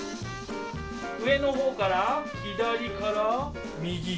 上の方から左から右。